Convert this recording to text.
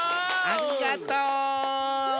ありがと。